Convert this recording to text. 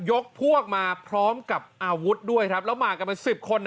ยกพวกมาพร้อมกับอาวุธด้วยครับแล้วมากันเป็นสิบคน